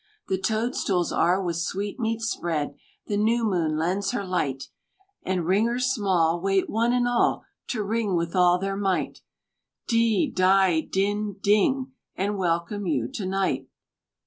The toad stools are with sweetmeats spread, The new Moon lends her light, And ringers small Wait, one and all, To ring with all their might D! DI! DIN! DING! And welcome you to night."